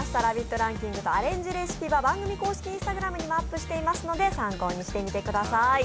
ランキングとアレンジレシピは番組公式Ｉｎｓｔａｇｒａｍにもアップしていますので、参考にしてみてください。